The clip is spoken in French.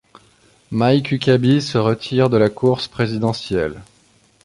Mike Huckabee se retire de la course présidentielle.